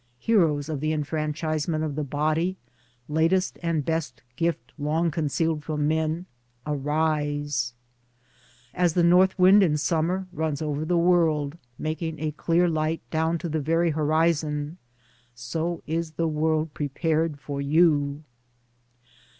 Heroes of the enfranchisement of the body (latest and best gift long concealed from men), Arise ! As the North wind in summer runs over the world, making a clear light down to the very horizon — so is the world prepared for you.